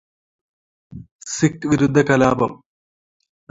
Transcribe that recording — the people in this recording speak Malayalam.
സിഖ് വിരുദ്ധ കലാപം